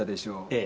ええ。